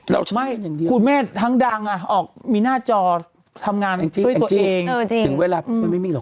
เราชั้นแม่งอย่างเดียว